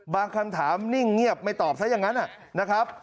คำถามนิ่งเงียบไม่ตอบซะอย่างนั้นนะครับ